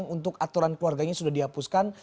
untuk aturan keluarganya sudah dihapuskan